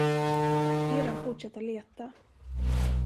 Be dem fortsätta leta.